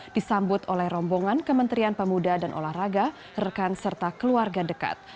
disambut oleh rombongan kementerian pemuda dan olahraga rekan serta keluarga dekat